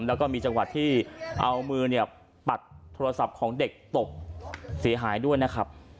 แล้วก็มีจังหวะที่เอามือเนี่ยปัดโทรศัพท์ของเด็กตกเสียหายด้วยนะครับ